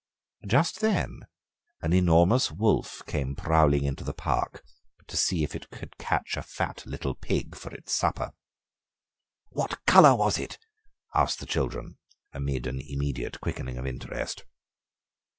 Just then an enormous wolf came prowling into the park to see if it could catch a fat little pig for its supper." "What colour was it?" asked the children, amid an immediate quickening of interest.